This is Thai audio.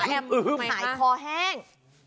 หายคอแห้ง